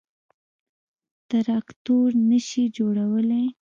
تراکتور نه شي جوړولای.